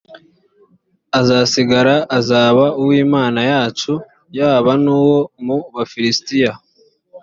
uzasigara azaba uw’imana yacu yaba n’uwo mu bafilisitiya